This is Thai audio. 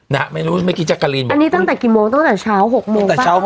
อันนี้ตั้งแต่กี่โมงตั้งแต่เช้า๖โมงป่ะ